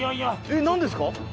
えっ何ですか？